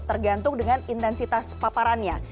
tergantung dengan intensitas paparannya